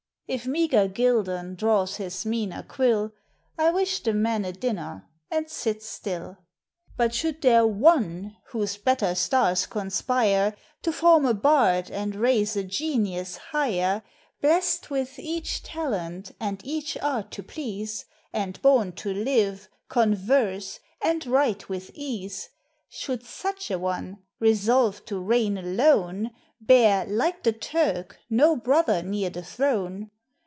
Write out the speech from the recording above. If meagre Gildon draws his meaner quill, I wish the man a dinner and sit still. \\ But should there One whose better stars conspire To form a bard and raise a genius higher, Blest with each talent and each art to please, And bom to live, converse, and write with ease ; Should such a one, resolv'd to reign alone, Bear, like the Turk, no brother near the throne.